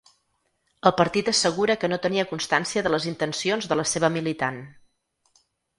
El partit assegura que no tenia constància de les intencions de la seva militant.